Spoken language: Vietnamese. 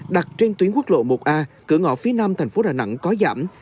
đặt trên tuyến quốc lộ một a cửa ngõ phía nam thành phố đà nẵng có giảm